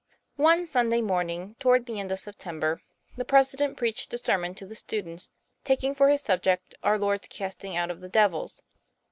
ONE Sunday morning toward the end of Septem ber, the president preached a sermon to the students, taking for his subject our Lord's casting out of the devils.